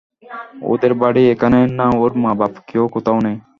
ওদের বাড়ি এখানে না-ওর মা-বাপ কেউ কোথাও নেই।